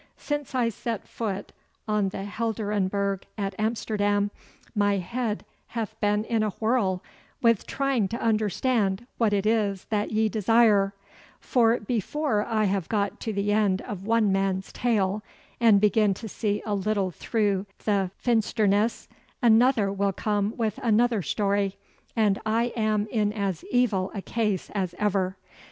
Since I set foot on the Helderenbergh at Amsterdam, my head hath been in a whirl with trying to understand what it is that ye desire, for before I have got to the end of one man's tale, and begin to see a little through the finsterniss, another will come with another story, and I am in as evil a case as ever.